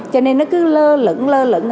cho nên nó cứ lơ lửng lơ lửng